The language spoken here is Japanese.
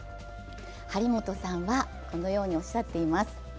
張本さんは、このようにおっしゃっています。